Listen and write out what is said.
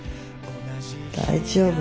大丈夫。